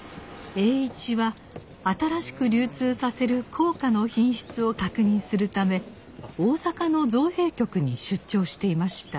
栄一は新しく流通させる硬貨の品質を確認するため大阪の造幣局に出張していました。